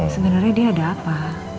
sebenernya dia ada apa